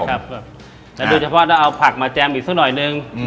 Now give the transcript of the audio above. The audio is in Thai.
ครับแล้วโดยเฉพาะเราเอาผักมาแจมอีกสักหน่อยหนึ่งอืม